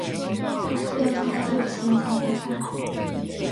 要坐在右侧才可以看海